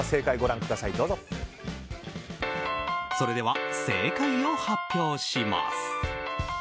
それでは正解を発表します。